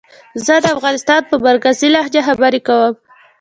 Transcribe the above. زه د افغانستان په مرکزي لهجه خبرې کووم